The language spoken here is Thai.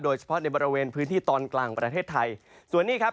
โดยเฉพาะในบริเวณพื้นที่ตอนกลางประเทศไทยส่วนนี้ครับ